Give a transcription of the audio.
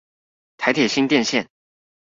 臺鐵新店線